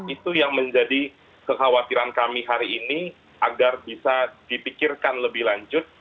itu yang menjadi kekhawatiran kami hari ini agar bisa dipikirkan lebih lanjut